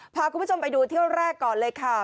พาคุณผู้ชมไปดูเที่ยวแรกก่อนเลยค่ะ